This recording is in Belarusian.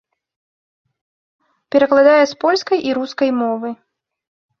Перакладае з польскай і рускай мовы.